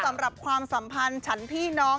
สำหรับความสัมพันธ์ชั้นพี่น้อง